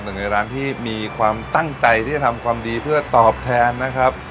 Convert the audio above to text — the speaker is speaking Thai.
หนึ่งในร้านที่มีความตั้งใจที่จะทำความดีเพื่อตอบแทนนะครับ